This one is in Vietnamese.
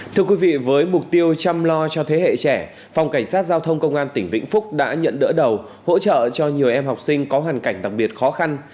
thưa quý vị với mục tiêu chăm lo cho thế hệ trẻ phòng cảnh sát giao thông công an tỉnh vĩnh phúc đã nhận đỡ đầu hỗ trợ cho nhiều em học sinh có hoàn cảnh đặc biệt khó khăn